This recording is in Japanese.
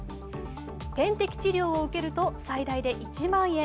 点滴治療を受けると最大で１万円。